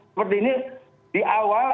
seperti ini di awal